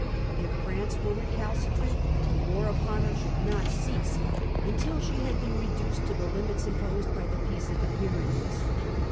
If France were recalcitrant, the war upon her should not cease until she had been reduced to the limits imposed by the Peace of the Pyrenees.